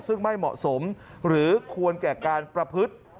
ซึ่งไม่เหมาะสมหรือควรแก่การประพฤติ